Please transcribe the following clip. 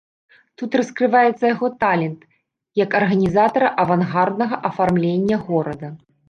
Тут раскрываецца яго талент як арганізатара авангарднага афармлення горада.